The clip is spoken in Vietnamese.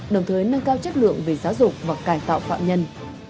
đồng thời nâng cao chất lượng về giáo dục và cải tạo phạm nhân